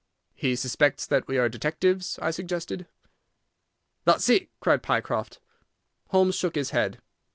"He suspects that we are detectives," I suggested. "That's it," cried Pycroft. Holmes shook his head.